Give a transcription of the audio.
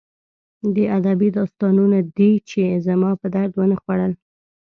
دا ادبي داستانونه دي چې زما په درد ونه خوړل